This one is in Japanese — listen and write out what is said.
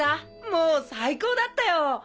もう最高だったよ！